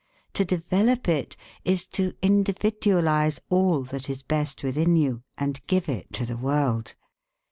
To develop it is to individualize all that is best within you, and give it to the world.